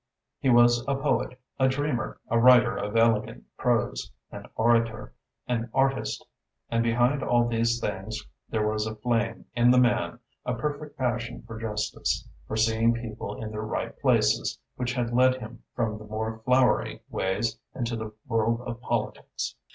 He was a poet, a dreamer, a writer of elegant prose, an orator, an artist. And behind all these things there was a flame in the man, a perfect passion for justice, for seeing people in their right places, which had led him from the more flowery ways into the world of politics.